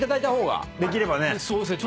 そうですね。